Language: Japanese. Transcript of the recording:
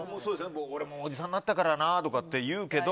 俺もおじさんになったからなとかって言うけど。